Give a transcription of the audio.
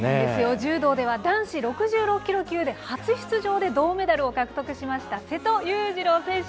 柔道では男子６６キロ級で初出場で銅メダルを獲得しました瀬戸勇次郎選手。